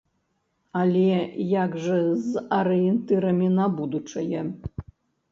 Але як жа з арыенцірамі на будучае.